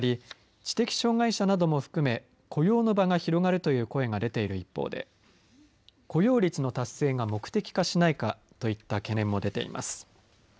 知的障害者なども含め雇用の場が広がるという声が出ている一方で雇用率の達成が目的化しないかといった懸念も出ています。